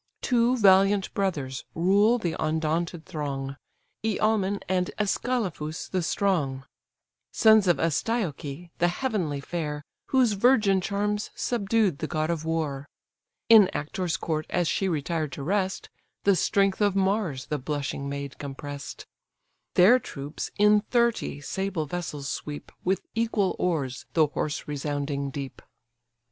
Two valiant brothers rule the undaunted throng, Iälmen and Ascalaphus the strong: Sons of Astyochè, the heavenly fair, Whose virgin charms subdued the god of war: (In Actor's court as she retired to rest, The strength of Mars the blushing maid compress'd) Their troops in thirty sable vessels sweep, With equal oars, the hoarse resounding deep.